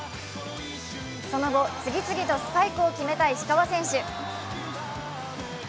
その後、次々とスパイクを決めた石川選手。